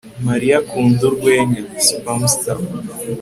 mariya akunda urwenya. (spamster